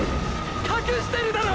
⁉隠してるだろ